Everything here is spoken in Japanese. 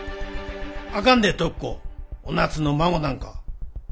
あかんで徳子お夏の孫なんか。